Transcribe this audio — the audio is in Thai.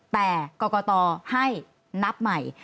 แต่ก็ก่อต่อให้นับใหม่